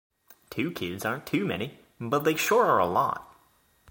Two kids aren't too many, but they sure are a lot